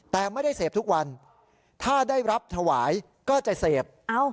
แต่ไม่ได้เสพทุกวันถ้าได้รับถวายก็จะเสพ